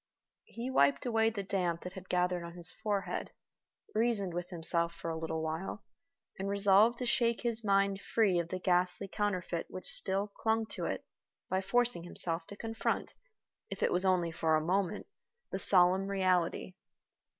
He wiped away the damp that had gathered on his forehead, reasoned with himself for a little while, and resolved to shake his mind free of the ghastly counterfeit which still clung to it by forcing himself to confront, if it was only for a moment, the solemn reality.